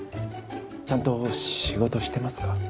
ちゃんと仕事してますか？